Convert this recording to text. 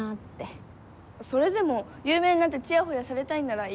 それでも有名になってチヤホヤされたいなら言われた。